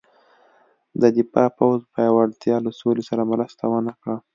د دفاع پوځ پیاوړتیا له سولې سره مرسته ونه کړه.